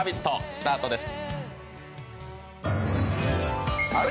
スタートです。